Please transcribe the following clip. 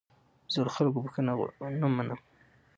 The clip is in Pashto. زه له خلکو بخښنه منم.